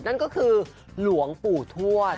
นั่นก็คือหลวงปู่ทวด